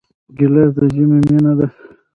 ګیلاس د ژمي مینه ده.